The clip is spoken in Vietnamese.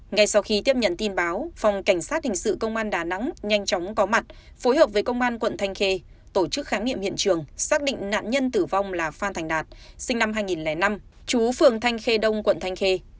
ngay sau khi tiếp nhận tin báo phòng cảnh sát hình sự công an đà nẵng nhanh chóng có mặt phối hợp với công an quận thanh khê tổ chức khám nghiệm hiện trường xác định nạn nhân tử vong là phan thành đạt sinh năm hai nghìn năm chú phường thanh khê đông quận thanh khê